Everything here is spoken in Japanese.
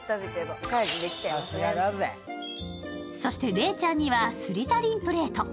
そして礼ちゃんにはスリザリンプレート。